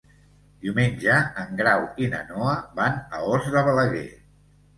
Diumenge en Grau i na Noa van a Os de Balaguer.